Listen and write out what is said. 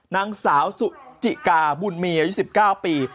นางสาวสุจิกาบุญมีอายุ๑๙ปี